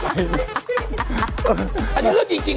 หมายถึง